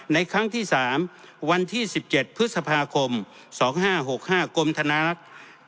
ในครั้งที่สามวันที่๑๗พฤษภาคมสองห้าหกห้ากรมธนารักษ์